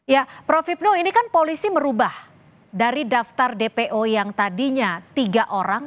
ya prof hipno ini kan polisi merubah dari daftar dpo yang tadinya tiga orang